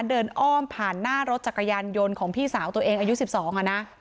อ้อมผ่านหน้ารถจักรยานยนต์ของพี่สาวตัวเองอายุ๑๒อ่ะนะ